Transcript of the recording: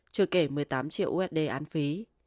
trừ kể một mươi tám triệu usd án phí